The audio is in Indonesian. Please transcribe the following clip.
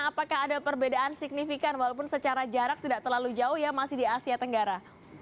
apakah ada perbedaan signifikan walaupun secara jarak tidak terlalu jauh ya masih di asia tenggara